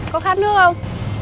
có khát nước không